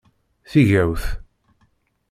Tigawt!